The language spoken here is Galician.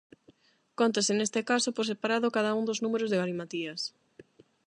Cóntase neste caso por separado cada un dos números de Galimatías.